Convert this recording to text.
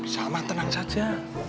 sama tenang saja